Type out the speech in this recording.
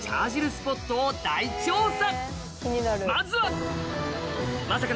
スポットを大調査